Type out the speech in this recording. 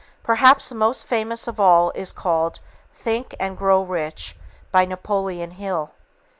Perhaps the most famous of all is called Think and Grow Rich by Napoleon Hill.